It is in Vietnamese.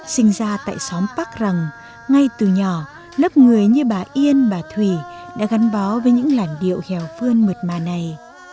sinh ra tại xóm bắc rằng ngay từ nhỏ lớp người như bà yên bà thủy đã gắn bó với những làn điệu hèo phương mượt mà này